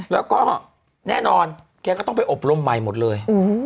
แล้วก็แน่นอนแกก็ต้องไปอบรมใหม่หมดเลย